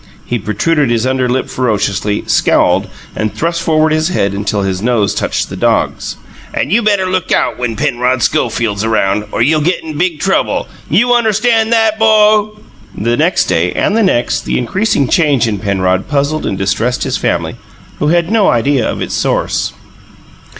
He protruded his underlip ferociously, scowled, and thrust forward his head until his nose touched the dog's. "And you better look out when Penrod Schofield's around, or you'll get in big trouble! YOU UNDERSTAN' THAT, 'BO?" The next day, and the next, the increasing change in Penrod puzzled and distressed his family, who had no idea of its source.